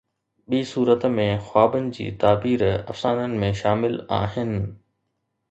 ٻي صورت ۾، خوابن جي تعبير افسانن ۾ شامل آهن